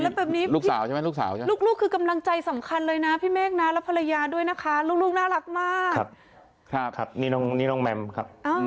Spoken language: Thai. แล้วรักษาอาการยังไงบ้างตอนนี้ค่ะ